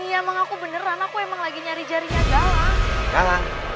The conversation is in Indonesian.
ya udah aku berangkat dulu ya ma